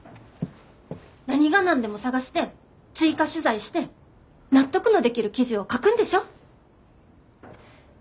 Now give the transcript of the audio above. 何が何でも探して追加取材して納得のできる記事を書くんでしょ？